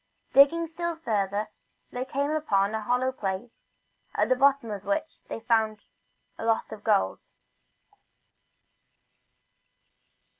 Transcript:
Digging still further along, they came upon a hollow place, at the bottom of which they found a lot of gold.